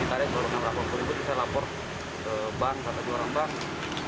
di tarik enam ratus delapan puluh ribu bisa lapor ke bank atau dua orang bank